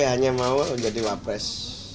hanya mau jadi wapres